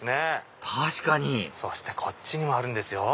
確かにそしてこっちにもあるんですよ。